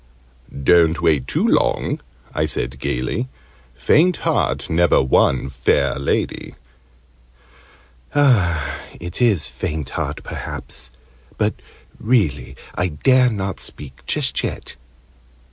"Don't wait too long!" I said gaily. "Faint heart never won fair lady!" "It is 'faint heart,' perhaps. But really I dare not speak just yet."